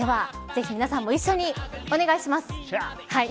ぜひ皆さんも一緒にお願いします。